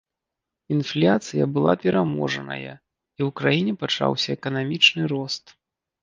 Інфляцыя была пераможаная, і ў краіне пачаўся эканамічны рост.